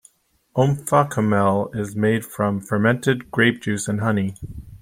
Omphacomel is made from fermented grape juice and honey.